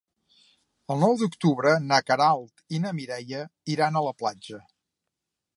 El nou d'octubre na Queralt i na Mireia iran a la platja.